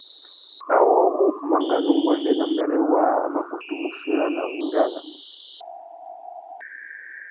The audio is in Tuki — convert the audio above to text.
Awô wu mangazu nguêndê nà mbêrê waā a mà kutu mù chirana wá ingānamú.